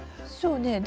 そうね。